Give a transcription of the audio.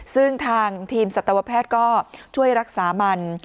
ซึ่งทางทีมสัตวแพทย์ก็ช่วยรักษามัน